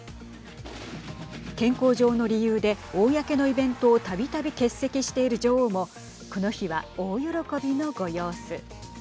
健康上の理由で公のイベントをたびたび欠席している女王もこの日は大喜びのご様子。